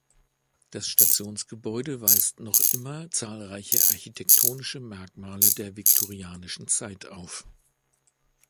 Das Stationsgebäude weist noch immer zahlreiche architektonische Merkmale der viktorianischen Zeit auf.